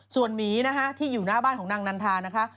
ส่วนหมีนะคะที่อยู่หน้าบ้านของนางนันทานะคะ